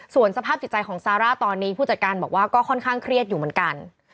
ส่วนสภาพจิตใจของซาร่าตอนนี้ผู้จัดการบอกว่าก็ค่อนข้างเครียดอยู่เหมือนกัน